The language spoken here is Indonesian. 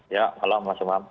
ya malam mas umam